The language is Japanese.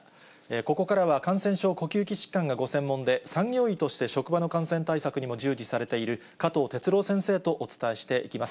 ここからは感染症、呼吸器疾患がご専門で、産業医として職場の感染対策にも従事されている加藤哲朗先生とお伝えしていきます。